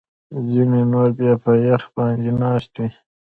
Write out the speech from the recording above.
ځینې نور بیا په یخ باندې ناست وي